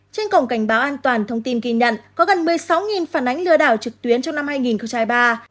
trên cổng cảnh báo an toàn thông tin ghi nhận có gần một mươi sáu phản ánh lừa đảo trực tuyến trong năm hai nghìn hai mươi ba